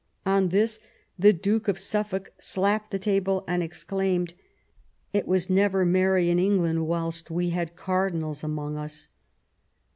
On this the Duke of Suffolk slapped the table and exclaimed, " It was never merry in England whilst we had cardinals among us."